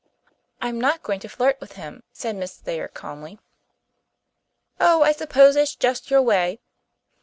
"I'm not going to flirt with him," said Miss Thayer calmly. "Oh, I suppose it's just your way.